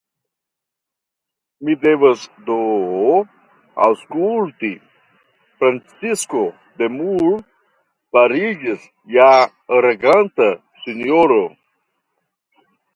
Mi devas do aŭskulti, Francisko de Moor fariĝis ja reganta sinjoro.